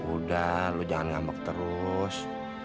udah lu jangan ngambek terus